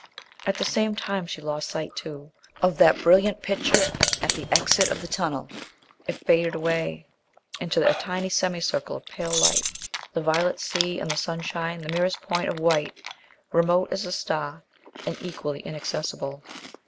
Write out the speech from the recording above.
At the same time she lost sight, too, of that brilliant picture at the exist of the tunnel; it faded away into a tiny semicircle of pale light, the violet sea and the sunshine the merest point of white, remote as a star and equally inaccessible.